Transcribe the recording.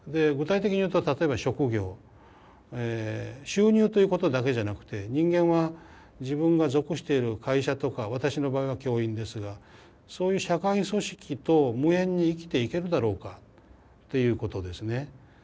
具体的に言うと例えば職業収入ということだけじゃなくて人間は自分が属している会社とか私の場合は教員ですがそういう社会組織と無縁に生きていけるだろうかということですね。